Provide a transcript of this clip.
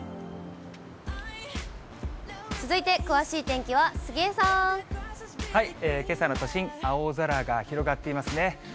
続いて、詳しい天気は杉江さけさの都心、青空が広がっていますね。